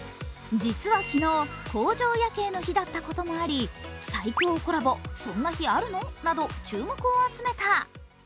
実は昨日、工場夜景の日だったこともあり、最強コラボ、そんな日あるの？など、注目を集めた。